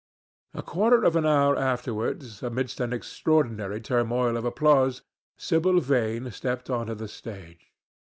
A quarter of an hour afterwards, amidst an extraordinary turmoil of applause, Sibyl Vane stepped on to the stage.